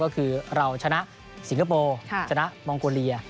ก็คือเราชนะสิงคโปร์ชนะมองโกเลีย